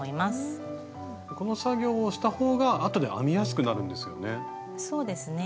この作業をした方があとで編みやすくなるんですよね。